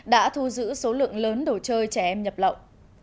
đã thu giữ số lượng lớn đồ chơi trẻ em nhập lậu